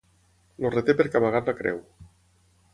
El reté perquè ha amagat la creu.